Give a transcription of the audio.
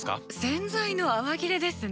洗剤の泡切れですね。